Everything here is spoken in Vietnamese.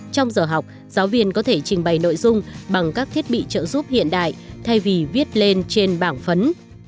trong giờ học giáo viên có thể trình bày nội dung bằng các thiết bị trợ giúp hiện đại thay vì viết lên trên bảng phấn